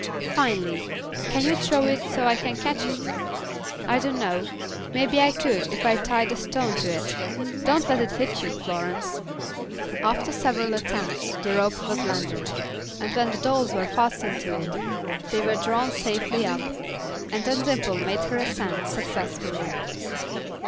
"Finely. Can you throw it so I can catch it?" "I don't know. Maybe I could if I tied a stone to it. Don't let it hit you, Florence." After several attempts the rope was landed, and when the dolls were fastened to it, they were drawn safely up, and then Dimple made her ascent successfully.